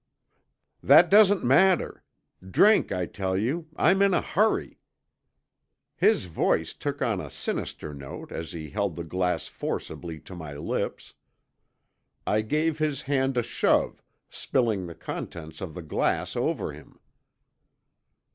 "'That doesn't matter. Drink, I tell you. I'm in a hurry.' "His voice took on a sinister note as he held the glass forcibly to my lips. I gave his hand a shove, spilling the contents of the glass over him.